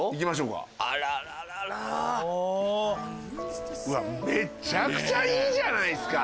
うわめちゃくちゃいいじゃないですか！